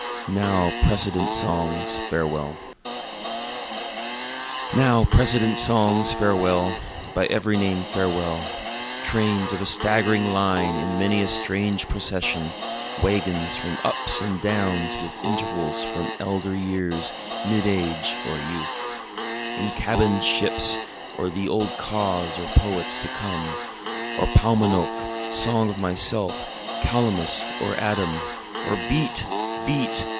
Now Precedent Songs, Farewell Now precedent songs, farewell by every name farewell, (Trains of a staggering line in many a strange procession, waggons, From ups and downs with intervals from elder years, mid age, or youth,) "In Cabin'd Ships, or Thee Old Cause or Poets to Come Or Paumanok, Song of Myself, Calamus, or Adam, Or Beat! Beat!